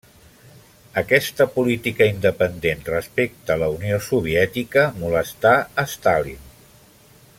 Aquesta política independent respecte a la Unió Soviètica molestà Stalin.